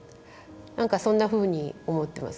何か、そんなふうに思ってます。